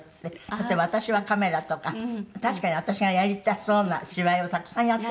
例えば『私はカメラ』とか確かに私がやりたそうな芝居をたくさんやってらしたんですよ。